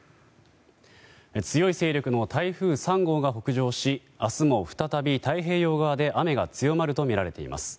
強い勢力の台風３号が北上し明日も再び太平洋側で雨が強まるとみられています。